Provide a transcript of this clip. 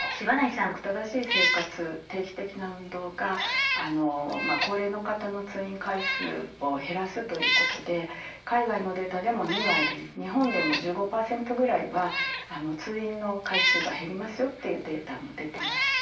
規則正しい生活定期的な運動が高齢の方の通院回数を減らすということで海外のデータでも２割日本でも１５％ぐらいは通院の回数が減りますよというデータも出てますし。